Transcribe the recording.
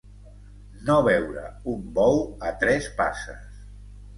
No veure un bou a tres passes.